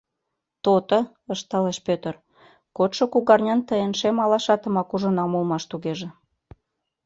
— То-то, — ышталеш Петр, — кодшо кугарнян тыйын шем алашатымак ужынам улмаш тугеже.